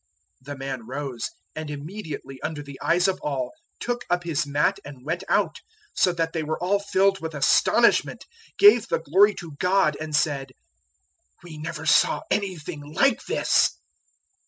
'" 002:012 The man rose, and immediately under the eyes of all took up his mat and went out, so that they were all filled with astonishment, gave the glory to God, and said, "We never saw anything like this."